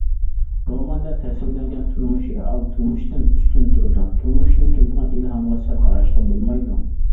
روماندا تەسۋىرلەنگەن تۇرمۇش رېئال تۇرمۇشتىن ئۈستۈن تۇرىدۇ، تۇرمۇشتىن كېلىدىغان ئىلھامغا سەل قاراشقا بولمايدۇ.